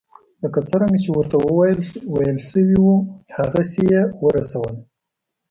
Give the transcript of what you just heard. لکه څرنګه چې ورته ویل شوي وو هغسې یې ورسول.